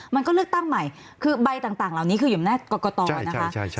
มันก็เลือกตั้งใหม่คือใบต่างเหล่านี้คืออยู่หน้ากรกตนะคะ